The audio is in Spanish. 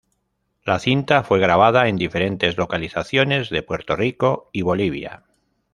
La cinta fue grabada en diferentes localizaciones de Puerto Rico y Bolivia.